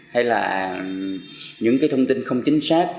hay là những cái thông tin không chính xác